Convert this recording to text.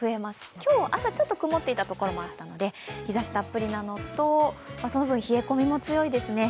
今日、朝ちょっと曇っていた所もあったので日ざしたっぷりなのと、冷え込みも強いですね。